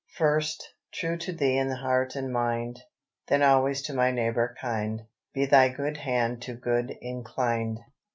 "First, true to Thee in heart and mind, Then always to my neighbour kind, By Thy good hand to good inclined.